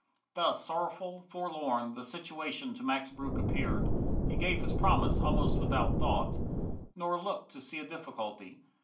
Thus sorrowful, forlorn, The situation to Max Breuck appeared, He gave his promise almost without thought, Nor looked to see a difficulty.